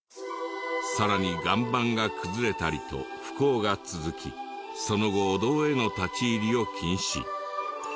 さらに岩盤が崩れたりと不幸が続きその後お堂への立ち入りを禁止。